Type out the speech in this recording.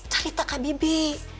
cari takak bibi